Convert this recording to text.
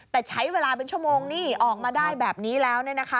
แต่ใช้เวลาเป็นชั่วโมงนี่ออกมาได้แบบนี้แล้ว